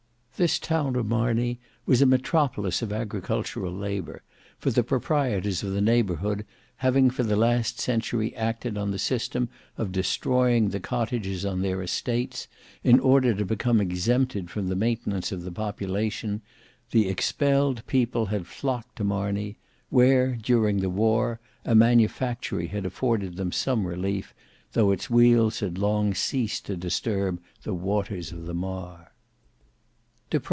This town of Marney was a metropolis of agricultural labour, for the proprietors of the neighbourhood having for the last half century acted on the system of destroying the cottages on their estates, in order to become exempted from the maintenance of the population, the expelled people had flocked to Marney, where, during the war, a manufactory had afforded them some relief, though its wheels had long ceased to disturb the waters of the Mar.